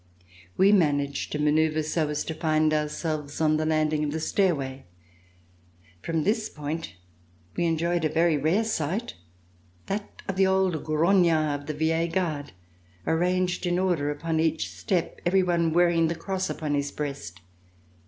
We managed to manoeuvre so as to find ourselves on the landing of the stairway. From this point we enjoyed a very rare sight, that oi the old grognards of the Vieille Garde, arranged in order upon each step, every one wearing the cross upon his breast.